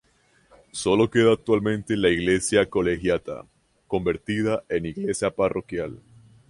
Solo queda actualmente la iglesia-colegiata, convertida en iglesia parroquial.